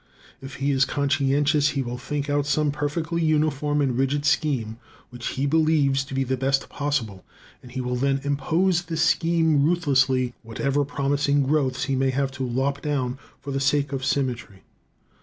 If he is conscientious, he will think out some perfectly uniform and rigid scheme which he believes to be the best possible, and he will then impose this scheme ruthlessly, whatever promising growths he may have to lop down for the sake of symmetry.